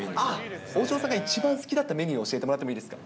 大城さんが一番好きだったメニューを教えてもらってもいいですか。